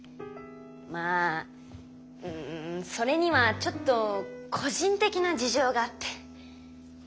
まあうんそれにはちょっと個人的な事情があって。